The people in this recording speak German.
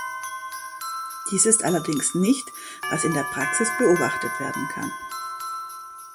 Dies ist allerdings nicht was in der Praxis beobachtet werden kann.